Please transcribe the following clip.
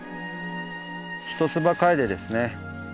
ヒトツバカエデですね。